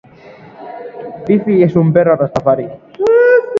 Espezie hau asko landu eta saltzen da dendetan.